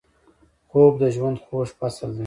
خوب د ژوند خوږ فصل دی